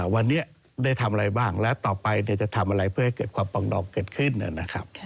วันนี้ได้ทำอะไรบ้างและต่อไปจะทำอะไรเพื่อให้เกิดความปลองดองเกิดขึ้นนะครับ